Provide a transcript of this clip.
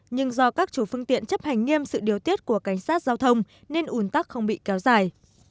nhưng do các chủ phương tiện chấp hành nghiêm sự điều tiết của cảnh sát giao thông nên ủn tắc không bị kéo dài